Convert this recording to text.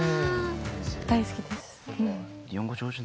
大好きです。